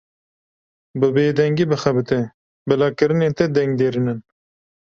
Bi bêdengî bixebite, bila kirinên te deng derînin.